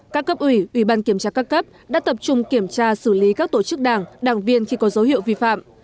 các cấp ủy ủy ban kiểm tra các cấp đã tập trung kiểm tra xử lý các tổ chức đảng đảng viên khi có dấu hiệu vi phạm